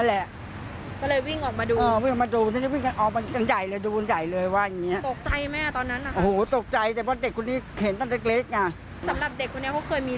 ถ้าไม่มีเรื่องก็ไม่ได้โดนจริงแบบนี้หรอกง่ายอย่างนี้